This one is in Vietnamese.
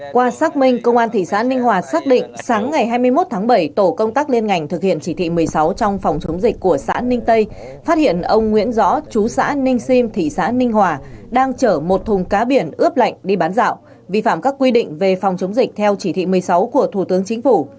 qua xác minh công an thị xã ninh hòa xác định sáng ngày hai mươi một tháng bảy tổ công tác liên ngành thực hiện chỉ thị một mươi sáu trong phòng chống dịch của xã ninh tây phát hiện ông nguyễn gió chú xã ninh sim thị xã ninh hòa đang chở một thùng cá biển ướp lạnh đi bán dạo vi phạm các quy định về phòng chống dịch theo chỉ thị một mươi sáu của thủ tướng chính phủ